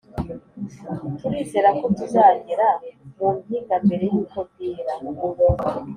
turizera ko tuzagera mu mpinga mbere yuko bwira.